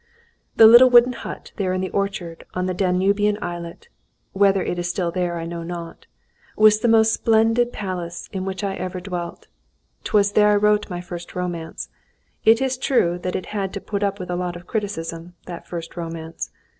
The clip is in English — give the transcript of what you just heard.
The little wooden hut there in the orchard on the Danubian islet (whether it is still there I know not) was the most splendid palace in which I ever dwelt. 'Twas there I wrote my first romance. It is true that it had to put up with a lot of criticism, that first romance.